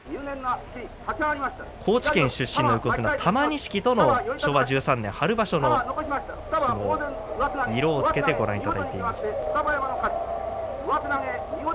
高知県出身の横綱玉錦との昭和１３年春場所の相撲を色をつけてご覧いただきます。